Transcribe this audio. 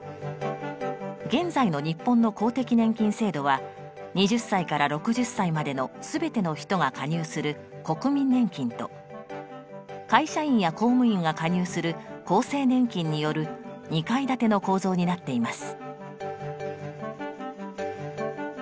現在の日本の公的年金制度は２０歳から６０歳までの全ての人が加入する国民年金と会社員や公務員が加入する厚生年金による２階建ての構造になっています。